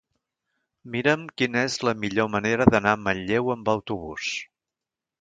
Mira'm quina és la millor manera d'anar a Manlleu amb autobús.